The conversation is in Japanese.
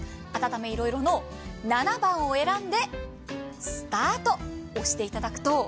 あたためいろいろの７番を選んでスタートを押していただくと。